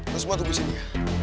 kita semua tunggu sini ya